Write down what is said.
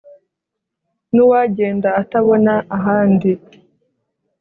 n' uwagenda atabona ahandi